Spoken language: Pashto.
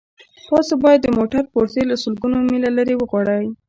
تاسو باید د موټر پرزې له سلګونه میله لرې وغواړئ